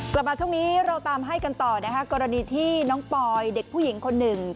กลับมาช่วงนี้เราตามให้กันต่อนะคะกรณีที่น้องปอยเด็กผู้หญิงคนหนึ่ง